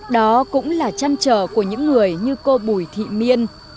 đó cũng là trăn trở của những người như cô bùi thị minh